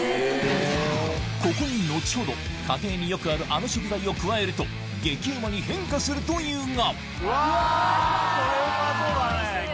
ここに後ほど家庭によくあるアノ食材を加えると激うまに変化するというがうわ！